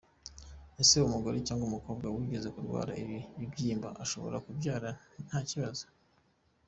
Ese umugore cyangwa umukobwa wigeze kurwara ibi bibyimba ashobora kubyara ntakibazo?.